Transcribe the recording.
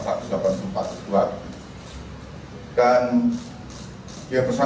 dan yang bersangkutan terhadap yang disambutan